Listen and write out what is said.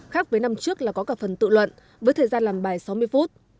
khác với năm trước là có cả phần tự luận với thời gian làm bài sáu mươi phút